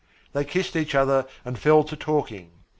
They kissed each other and fell to talking.